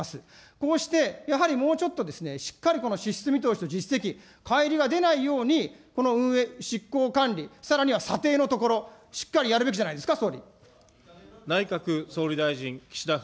こうしてやはりもうちょっとしっかりこの支出見通しと実績、かい離が出ないようにこの執行管理、さらには査定のところ、しっかりやるべきじゃないですか、総理。